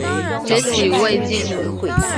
崛起于魏晋。